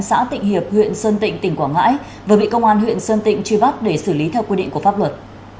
xã tịnh hiệp huyện sơn tịnh tỉnh quảng ngãi vừa bị công an huyện sơn tịnh truy bắt để xử lý theo quy định của pháp luật